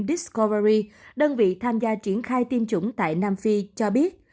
discowri đơn vị tham gia triển khai tiêm chủng tại nam phi cho biết